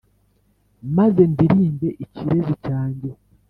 maze ndirimbe ikirezi cyange.